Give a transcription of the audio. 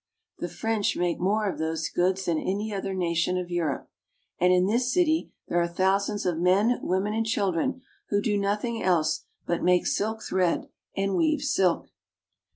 The French make more of these goods than any other nation of Europe ; and in this city there are thousands of men, women, and children who do nothing else but make silk thread, and weave silk.